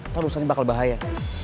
atau lulusannya bakal bahaya